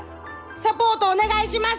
サポートお願いします！